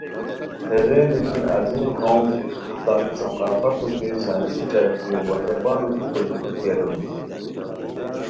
ہیغین دیتی عظیم قوم تان ثقافت اوچے سائنسی ترقیو وا زبانو ای کوری پروشٹی الونی